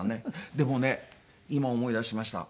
でもね今思い出しました。